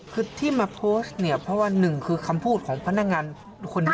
คือที่มาโพสต์เนี่ยเพราะว่าหนึ่งคือคำพูดของพนักงานคนนี้